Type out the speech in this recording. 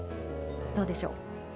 どうでしょう？